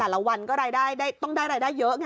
แต่ละวันก็ต้องได้รายได้เยอะไง